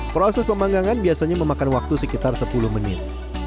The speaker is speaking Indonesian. proses pemanggangan biasanya memakan waktu sekitar sepuluh menit